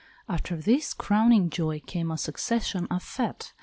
After this crowning joy came a succession of fêtes.